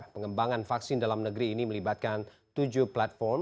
pengembangan vaksin dalam negeri ini melibatkan tujuh platform